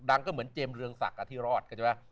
ดังก็เหมือนเจมส์เรืองสักที่รอด